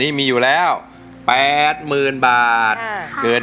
คุณยายแดงคะทำไมต้องซื้อลำโพงและเครื่องเสียง